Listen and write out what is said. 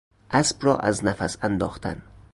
اسب را از نفس انداختن